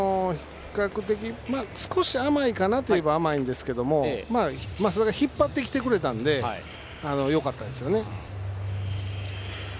少し甘いかなといえば甘いんですが増田が引っ張ってきてくれたのでよかったですね。